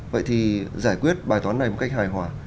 vậy thì giải quyết bài toán này một cách hài hòa